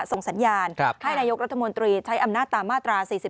ส่งสัญญาณให้นายกรัฐมนตรีใช้อำนาจตามมาตรา๔๔